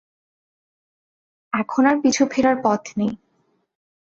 এখন আর পিছু ফেরার পথ নেই।